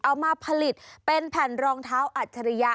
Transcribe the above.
เอามาผลิตเป็นแผ่นรองเท้าอัจฉริยะ